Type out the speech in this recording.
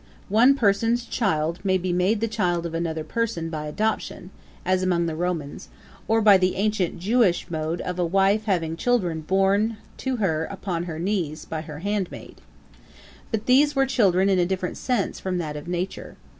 One person's child may be made the child of another person by adoption, as among the Romans, or by the ancient Jewish mode of a wife having children born to her upon her knees, by her handmaid. But these were children in a different sense from that of nature.